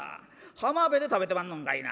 浜辺で食べてまんのんかいな」。